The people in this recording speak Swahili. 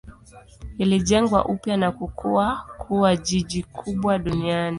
Ilijengwa upya na kukua kuwa jiji kubwa duniani.